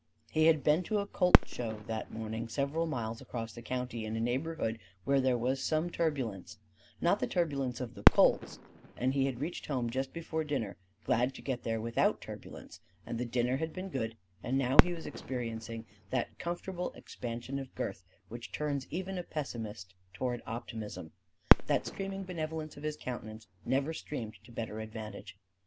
He had been to a colt show that morning several miles across the country in a neighborhood where there was some turbulence; not the turbulence of the colts; and he had reached home just before dinner glad to get there without turbulence; and the dinner had been good, and now he was experiencing that comfortable expansion of girth which turns even a pessimist toward optimism; that streaming benevolence of his countenance never streamed to better advantage.